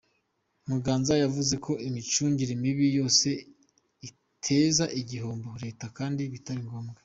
Muganza yavuze ko imicungire mibi yose iteza igihombo Leta kandi bitari ngombwa.